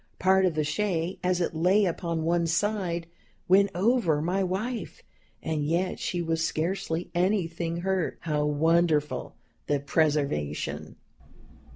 Part of the shay, as it lay upon one side, went over my wife, and yet she was scarcely anything hurt. How wonderful the preservation!